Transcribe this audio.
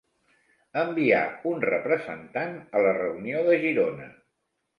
Envià un representant a la reunió de Girona.